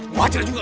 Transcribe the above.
gua hajar juga lu